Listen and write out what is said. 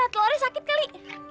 telurnya sakit kali